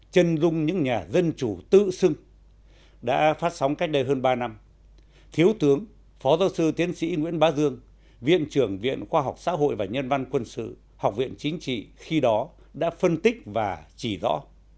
chân dung những nhà dân chủ tự xưng đã phát sóng cách đây hơn ba năm thiếu tướng phó giáo sư tiến sĩ nguyễn bá dương viện trưởng viện khoa học xã hội và nhân văn quân sự học viện chính trị khi đó đã phân tích và chỉ rõ